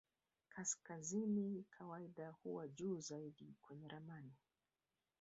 Kaskazini kawaida huwa juu zaidi kwenye ramani.